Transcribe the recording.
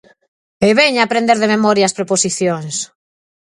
E veña a aprender de memoria as preposicións!